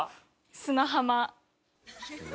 砂浜。